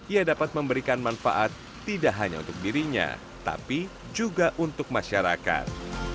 ia dapat memberikan manfaat tidak hanya untuk dirinya tapi juga untuk masyarakat